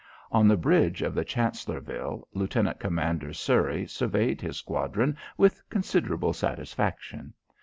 On the bridge of the Chancellorville, Lieutenant Commander Surrey surveyed his squadron with considerable satisfaction.